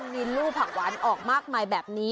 มีลู่ผักหวานออกมากมายแบบนี้